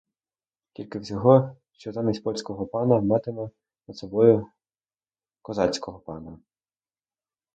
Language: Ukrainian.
Тільки всього, що замість польського пана матимете над собою козацького пана.